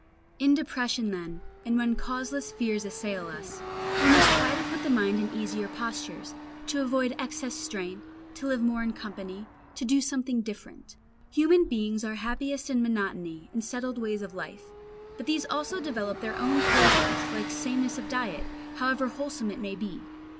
In depression then, and when causeless fears assail us, we must try to put the mind in easier postures, to avoid excess and strain, to live more in company, to do something different. Human beings are happiest in monotony and settled ways of life; but these also develop their own poisons, like sameness of diet, however wholesome it may be.